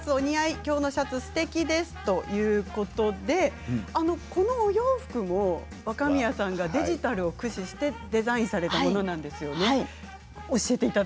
きょうのシャツすてきですということでこのお洋服も若宮さんがデジタルを駆使してデザインされたものなんですよね。